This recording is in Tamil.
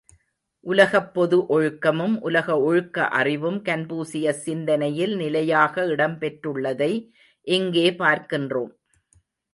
உலகப் பொது ஒழுக்கமும் உலக ஒழுக்க அறிவும் கன்பூசியஸ் சிந்தனையில் நிலையாக இடம் பெற்றுள்ளதை இங்கே பார்க்கின்றோம்.